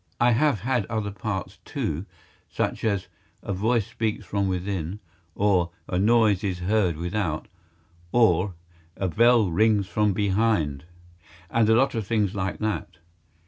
I have had other parts too, such as "A Voice Speaks From Within," or "A Noise Is Heard Without," or a "Bell Rings From Behind," and a lot of things like that.